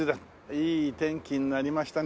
いい天気になりましたね